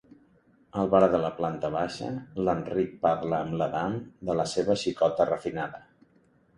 Al bar de la planta baixa, l'Enric parla amb l'Adam de la seva xicota refinada.